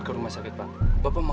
kalian gak usah banyak tau